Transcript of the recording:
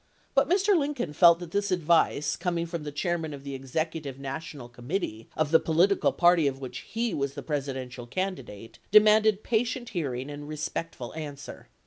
But Mr. Lincoln felt that this advice, coming from the chair man of the Executive National Committee of the political party of which he was the Presidential candidate, demanded patient hearing and respectful answer.